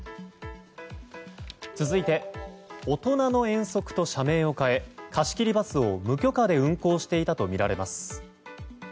続いておとなの遠足と社名を変え貸し切りバスを無許可で運行していたとみられます。